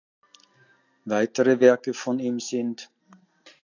Weitere Werke von ihm sind